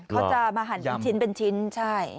เขาจะมาหั่นเป็นชิ้นเป็นชิ้นใช่